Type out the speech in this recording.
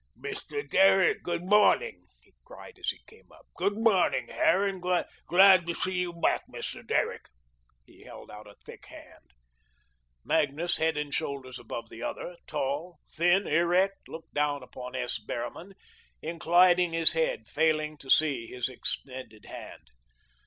"Mr. Derrick, good morning," he cried as he came up. "Good morning, Harran. Glad to see you back, Mr. Derrick." He held out a thick hand. Magnus, head and shoulders above the other, tall, thin, erect, looked down upon S. Behrman, inclining his head, failing to see his extended hand.